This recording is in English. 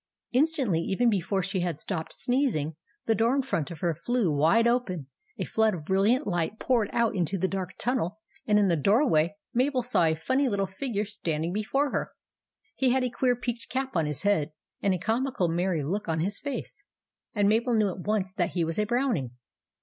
Instantly, even before she had stopped sneezing, the door in front of her flew wide open, a flood of brilliant light poured out into the dark tunnel, and in the doorway Mabel saw a funny little figure standing before her. He had a queer peaked cap on his head, and a comical, merry look on his face ; and Mabel knew at once that he was a Brownie.